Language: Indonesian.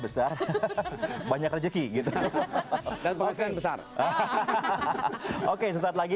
coba yang housekeeping